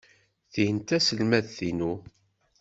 Tin d taselmadt-inu.